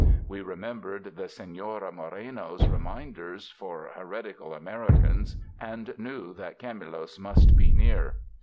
We re membered the Senora Moj'eno 's reminders for heret ical Americans and knew that Camulos must be near.